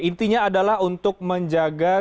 intinya adalah untuk menjaga